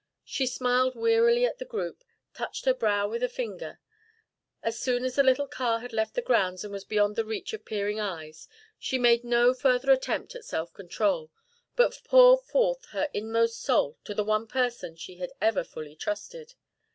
She smiled wearily at the group, touching her brow with a finger. As soon as the little car had left the grounds and was beyond the reach of peering eyes, she made no further attempt at self control, but poured forth her inmost soul to the one person she had ever fully trusted.